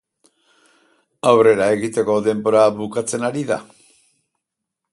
Aurrera egiteko denbora bukatzen ari da.